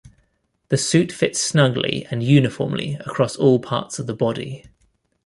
The suit fits snugly and uniformly across all parts of the body.